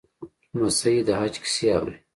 لمسی د حج کیسې اوري.